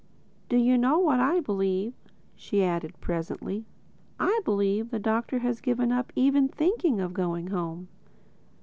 "Do you know what I believe?" she added presently. "I believe the Doctor has given up even thinking of going home."